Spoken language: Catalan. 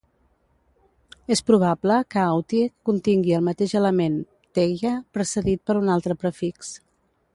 És probable que Authie contingui el mateix element "tegia" precedit per un altre prefix.